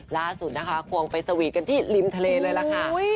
ล่าสุดนะคะควงไปสวีทกันที่ริมทะเลเลยล่ะค่ะ